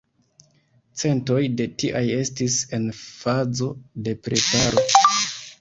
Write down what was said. Centoj de tiaj estis en fazo de preparo.